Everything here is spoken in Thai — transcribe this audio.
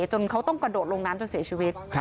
จนเขาต้องกระโดดลงน้ำจนเสียชีวิต